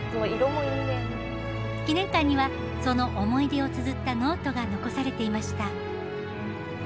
記念館にはその思い出をつづったノートが残されていました。